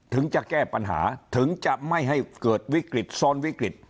ถึงจะแก้ปัญหาถึงจะไม่ให้เกิดวิกฤตซ้อนวิกฤต